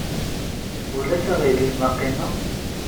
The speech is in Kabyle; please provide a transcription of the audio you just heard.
Ulac aɣilif ma qqimeɣ?